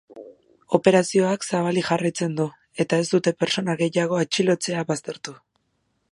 Operazioak zabalik jarraitzen du, eta ez dute pertsona gehiago atxilotzea baztertu.